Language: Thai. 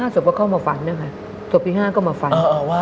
ศพก็เข้ามาฝันนะคะศพที่๕ก็มาฝัน